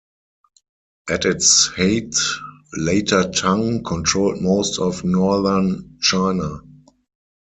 At its height, Later Tang controlled most of northern China.